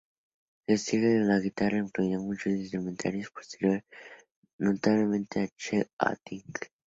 Su estilo a la guitarra influyó a muchos instrumentistas posteriores, notablemente a Chet Atkins.